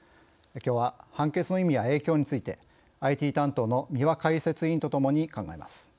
きょうは判決の意味や影響について、ＩＴ担当の三輪解説委員と共に考えます。